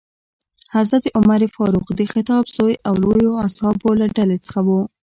حضرت عمر فاروق د خطاب زوی او لویو اصحابو له ډلې څخه ؤ.